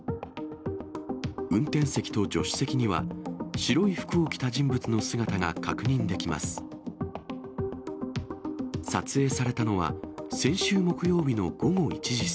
運転席と助手席には、白い服を着た人物の姿が確認できます。